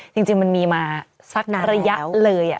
จริงมันมีมาสักระยะเลย